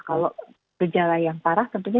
kalau gejala yang parah tentunya